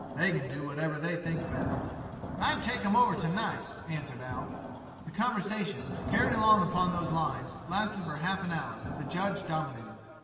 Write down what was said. They can do whatever they think best." "I'd take 'em over tonight," answered Alf. The conversation, carried along upon those lines, lasted for half an hour, with the Judge dominating.